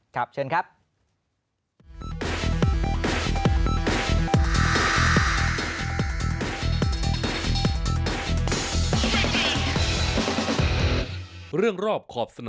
ครับเชิญครับ